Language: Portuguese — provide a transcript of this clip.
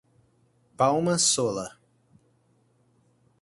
Palma Sola